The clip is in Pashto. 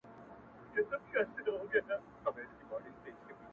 • که ویلې دي سندري غر به درکړي جوابونه -